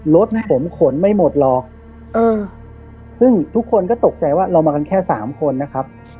รถผมขนไม่หมดหรอกเออซึ่งทุกคนก็ตกใจว่าเรามากันแค่สามคนนะครับ